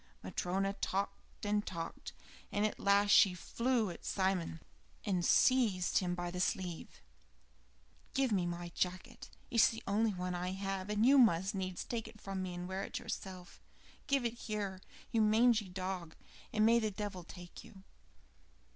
Matryona talked and talked, and at last she flew at Simon and seized him by the sleeve. "Give me my jacket. It is the only one I have, and you must needs take it from me and wear it yourself. Give it here, you mangy dog, and may the devil take you."